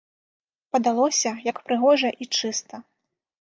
Падалося, як прыгожа і чыста.